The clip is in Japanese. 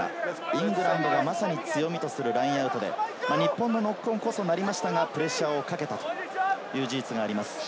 イングランドがまさに強みとするラインアウトで、日本のノックオンこそなりましたがプレッシャーをかけたという事実があります。